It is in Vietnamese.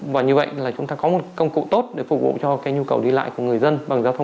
và như vậy là chúng ta có một công cụ tốt để phục vụ cho cái nhu cầu đi lại của người dân